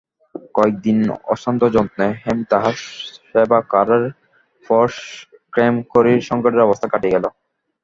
কয়েক দিন অশ্রান্তযত্নে হেম তাঁহার সেবা করার পর ক্ষেমংকরীর সংকটের অবস্থা কাটিয়া গেল।